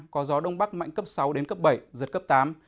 có gió đông bắc mạnh cấp sáu đến cấp bảy giật cấp tám